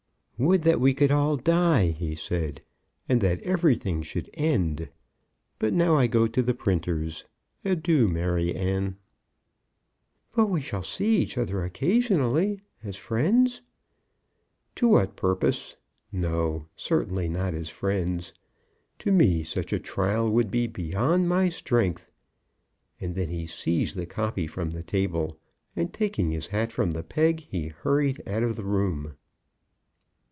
"Would that we could all die," he said, "and that everything should end. But now I go to the printer's. Adieu, Maryanne." "But we shall see each other occasionally, as friends?" "To what purpose? No; certainly not as friends. To me such a trial would be beyond my strength." And then he seized the copy from the table, and taking his hat from the peg, he hurried out of the room.